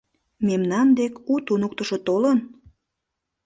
— Мемнан дек у туныктышо толын?